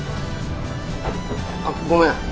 あっごめん。